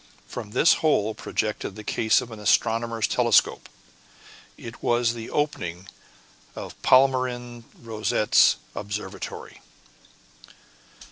From this hole projected the case of an astronomer's telescope; it was the opening of Palmyrin Rosette's observatory.